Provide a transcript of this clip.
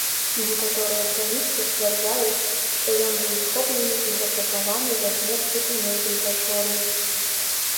Некаторыя храністы сцвярджаюць, што ён быў схоплены і закатаваны да смерці ў нейкай пячоры.